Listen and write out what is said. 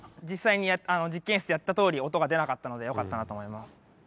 実際に実験室でやったとおり音が出なかったのでよかったなと思います。